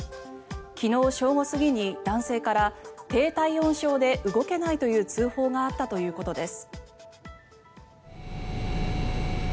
昨日正午過ぎに男性から低体温症で動けないという通報があったということです。